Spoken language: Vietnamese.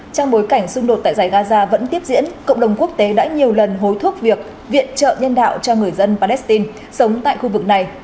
trong bối cảnh xung đột tại giải gaza vẫn tiếp diễn cộng đồng quốc tế đã nhiều lần hối thúc việc viện trợ nhân đạo cho người dân palestine sống tại khu vực này